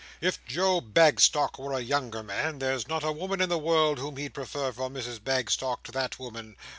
"If Joe Bagstock were a younger man, there's not a woman in the world whom he'd prefer for Mrs Bagstock to that woman.